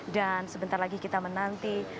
dan sebentar lagi kita menanti